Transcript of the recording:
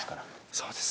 そうですね。